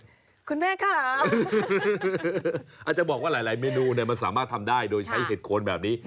อาจจะบอกว่าหลายเมนูสามารถทำได้โดยใช้เห็ดโคนแบบนี้